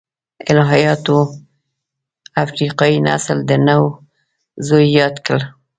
الهیاتو افریقايي نسل د نوح زوی یاد کړ.